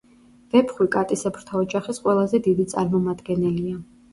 ვეფხვი კატისებრთა ოჯახის ყველაზე დიდი წარმომადგენელია.